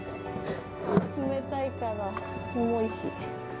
冷たいから、重いし。